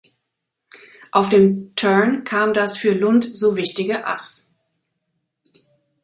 Auf dem Turn kam das für Lund so wichtige Ass.